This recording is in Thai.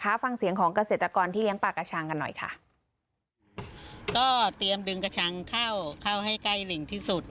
ฟังเสียงของเกษตรกรที่เลี้ยงปลากระชังกันหน่อยค่ะก็เตรียมดึงกระชังเข้าเข้าให้ใกล้ลิงที่สุด